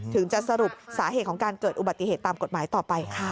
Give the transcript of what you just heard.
จะสรุปสาเหตุของการเกิดอุบัติเหตุตามกฎหมายต่อไปค่ะ